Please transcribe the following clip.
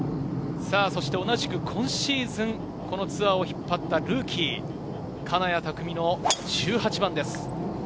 同じく今シーズン、このツアーを引っ張ったルーキー・金谷拓実の１８番です。